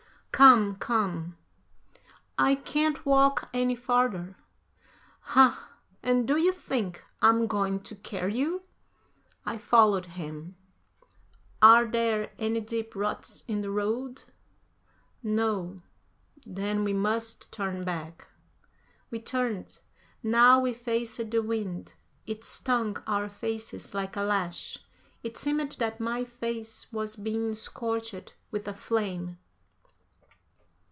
"Come, come." "I can't walk any farther." "Ah, and do you think I'm going to carry you?" I followed him. "Are there any deep ruts in the road?" "No." "Then we must turn back." We turned. Now we faced the wind. It stung our faces like a lash. It seemed that my face was being scorched with a flame.